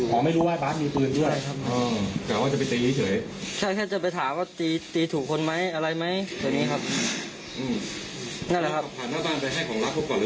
เขาขับผ่านหน้าบ้านไปให้ของรักเขาก่อนหรือเปล่า